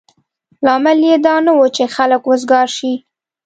لامل یې دا نه و چې خلک وزګار شي.